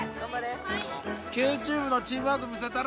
ＱＴｕｂｅのチームワーク見せたろうぜ！